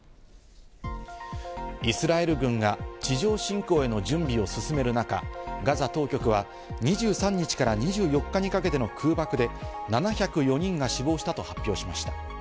イスラエル軍が地上侵攻への準備を進めるなか、ガザ当局は２３日から２４日にかけての空爆で７０４人が死亡したと発表しました。